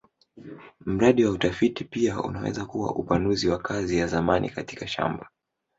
Mradi wa utafiti unaweza pia kuwa upanuzi wa kazi ya zamani katika shamba.